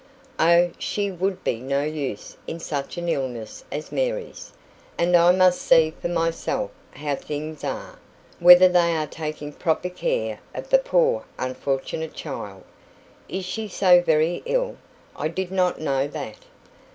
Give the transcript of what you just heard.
"Oh, she would be no use in such an illness as Mary's. And I must see for myself how things are whether they are taking proper care of the poor, unfortunate child " "Is she so very ill? I did not know that."